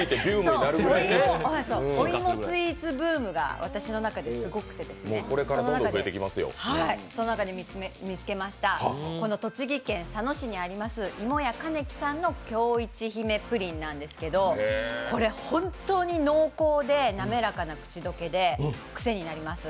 お芋スイーツブームが私の中ですごくてその中で見つけました、栃木県佐野市にありますいも家ｋａｎｅｋｉさんの京いち姫ぷりんなんですけど、これ、本当に濃厚で滑らかな口溶けで癖になります。